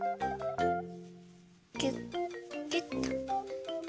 ぎゅっぎゅっと。